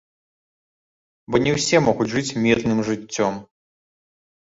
Бо не ўсе могуць жыць мірным жыццём.